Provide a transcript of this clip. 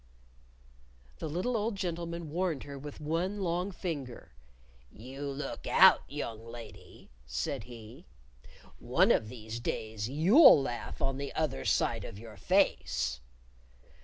_ The little old gentleman warned her with one long finger. "You look out, young lady!" said he. "One of these days you'll laugh on the other side of your face."